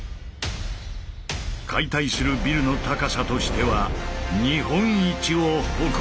解体するビルの高さとしては日本一を誇る。